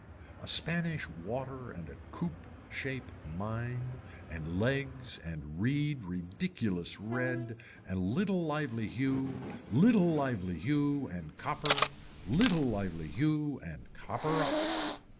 A Spanish water and a coop shape mine and legs and reed ridiculous red, and little lively hue, little lively hue and copper, little lively hue and copper up.